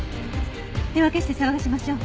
手分けして捜しましょう。